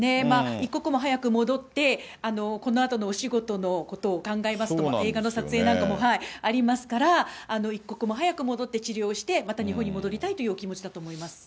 一刻も早く戻って、このあとのお仕事のことを考えますと、映画の撮影なんかもありますから、一刻も早く戻って治療して、また日本に戻りたいというお気持ちだと思います。